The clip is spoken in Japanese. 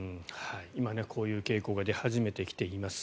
今、こういう傾向が出始めてきています。